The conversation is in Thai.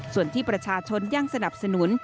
ส่วนที่ประชาชนยังสนับสนุน